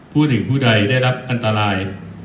หนึ่งผู้ใดได้รับอันตราย